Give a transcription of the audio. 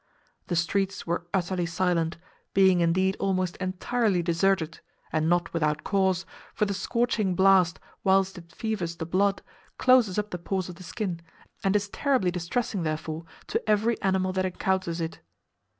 The streets were utterly silent, being indeed almost entirely deserted; and not without cause, for the scorching blast, whilst it fevers the blood, closes up the pores of the skin, and is terribly distressing, therefore, to every animal that encounters it.